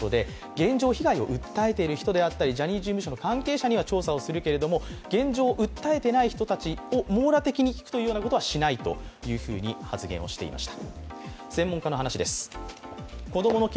現状、被害を訴えてる人であったりジャニーズ事務所の関係者には調査をするけれども現状、訴えていない人たちを網羅的に聞くことはしないというふうに発言をしていました。